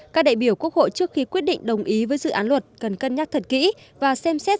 các đại biểu quốc hội trước khi quyết định đồng ý với dự án luật cần cân nhắc thật kỹ và xem xét